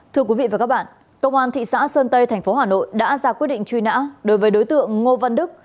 thưa quý vị và các bạn công an thị xã sơn tây tp hà nội đã ra quyết định truy nã đối với đối tượng ngô văn đức